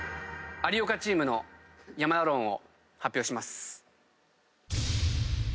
有岡チームの山田論を発表します。